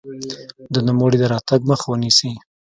د نوموړي د راتګ مخه ونیسي.